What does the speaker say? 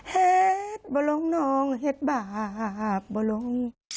แฮดบาลองนองเห็ดบาลอง